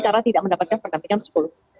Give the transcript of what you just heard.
karena tidak mendapatkan pendampingan sepuluh